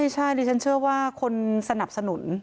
ใช่ดิฉันเชื่อว่าคนสนับสนุน